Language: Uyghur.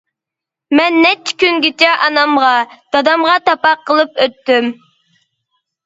-مەن نەچچە كۈنگىچە ئانامغا، دادامغا تاپا قىلىپ ئۆتتۈم.